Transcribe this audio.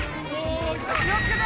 気をつけて！